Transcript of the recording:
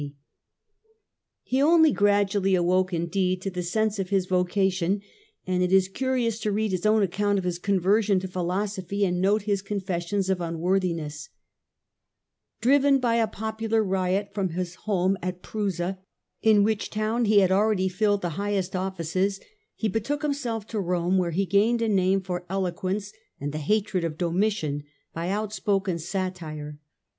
The Literary Currents of the Age, 175 He only gradually awoke, indeed, to the sense of his vo cation, and it is curious to read his own account of his conversion to philosophy, and note his confessions of un worthiness. Driven by a popular riot from his home at Prusa, in which town he had already filled the highest offices, he betook himself to Rome, where he gained a name by eloquence, and the hatred of Domitian by outspoken satire.